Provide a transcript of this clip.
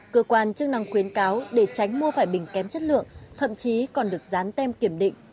cơ quan chức năng khuyến cáo để tránh mua vải bình kém chất lượng thậm chí còn được dán tem kiểm định